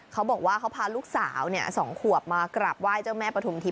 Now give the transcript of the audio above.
เขาบอกว่าเขาพาลูกสาว๒ขวบมากราบไหว้เจ้าแม่ปฐุมทิพ